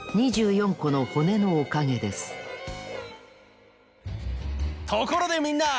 この骨のおかげですところでみんな！